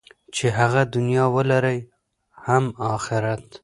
چې هم دنیا ولرئ هم اخرت.